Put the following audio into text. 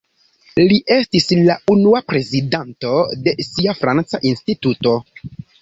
Li estis la unua prezidanto de sia franca instituto.